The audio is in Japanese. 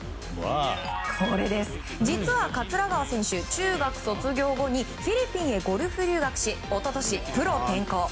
実は桂川選手、中学卒業後にフィリピンへゴルフ留学し一昨年プロ転向。